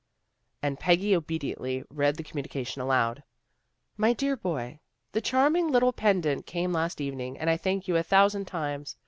And Peggy obediently read the communication aloud. " MY DEAR BOY: The charming little pend ant came last evening, and I thank you a thou sand times.